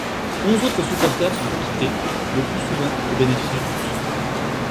Onze autres supporters sont acquittés, le plus souvent au bénéfice du doute.